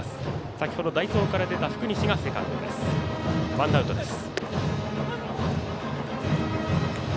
先程、代走から出た福西がセカンドです。